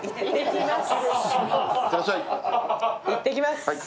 いってきます。